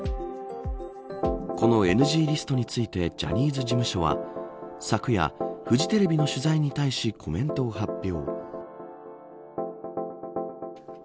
このＮＧリストについてジャニーズ事務所は昨夜、フジテレビの取材に対しコメントを発表。